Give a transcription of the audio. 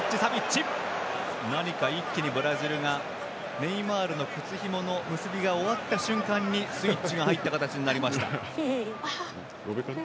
何か一気にブラジルがネイマールの靴ひもの結びが終わった瞬間にスイッチが入った形になりました。